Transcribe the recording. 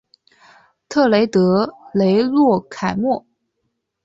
特雷德雷洛凯莫。